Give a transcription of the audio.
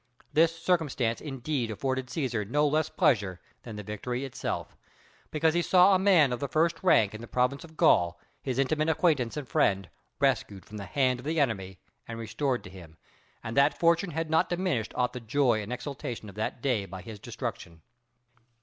This circumstance indeed afforded Cæsar no less pleasure than the victory itself; because he saw a man of the first rank in the province of Gaul, his intimate acquaintance and friend, rescued from the hand of the enemy and restored to him, and that fortune had not diminished aught of the joy and exultation of that day by his destruction.